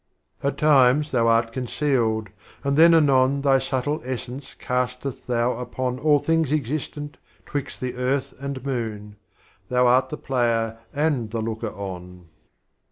II. At times Thou art concealed, and then anon Thy subtle Essence casteth Thou upon All Things Existent twixt the Earth and Moon ; Thou art the Player and the Looker on.